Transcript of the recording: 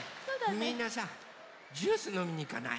みんなさジュースのみにいかない？